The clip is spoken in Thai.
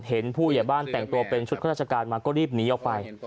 เห็นผู้เหยียบ้านแต่งตัวเป็นชุดเครื่องราชการมาก็รีบหนีเอาไป